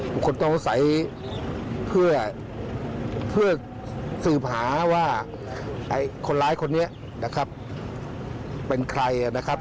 บุคคลต้องสงสัยเพื่อสืบหาว่าไอ้คนร้ายคนนี้นะครับเป็นใครนะครับ